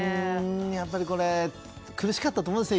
やっぱり苦しかったと思うんですね